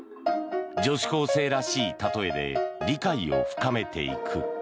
女子高生らしい例えで理解を深めていく。